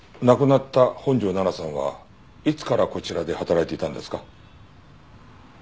亡くなった本条奈々さんはいつからこちらで働いていたんですか？